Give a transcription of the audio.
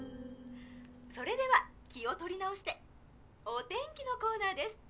それでは気を取り直してお天気のコーナーです！